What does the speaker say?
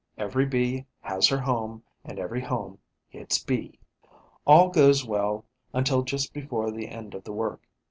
Every Bee has her home and every home its Bee. All goes well until just before the end of the work.